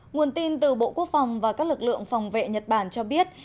nguồn tin từ bộ quốc phòng và các lực lượng phòng vệ nhật bản cho biết